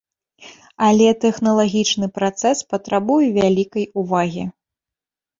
Але тэхналагічны працэс патрабуе вялікай увагі.